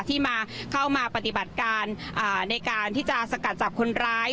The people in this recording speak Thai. ที่มาเข้ามาปฏิบัติการในการที่จะสกัดจับคนร้าย